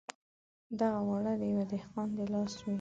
دغه واړه د یوه دهقان د لاس وې.